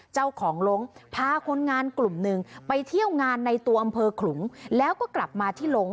เจ้าของลงพาคนงานกลุ่มหนึ่งไปเที่ยวงานในตัวอำเภอขลุงแล้วก็กลับมาที่หลง